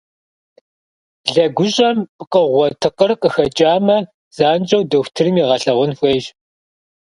Блэгущӏэм пкъыгъуэ тыкъыр къыхэкӏамэ, занщӏэу дохутырым егъэлъэгъун хуейщ.